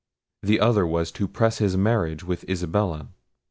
The other was to press his marriage with Isabella.